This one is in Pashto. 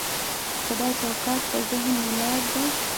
خو دا چوکاټ په ذهن ولاړ دی.